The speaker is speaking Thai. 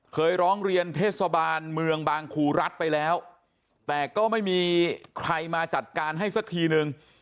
เคยร้องเรียนเทศบาลเมืองบางครูรัฐไปแล้วแต่ก็ไม่มีใครมาจัดการให้สักทีนึง